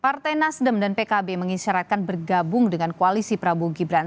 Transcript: partai nasdem dan pkb mengisyaratkan bergabung dengan koalisi prabowo gibran